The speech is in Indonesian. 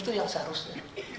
itu yang seharusnya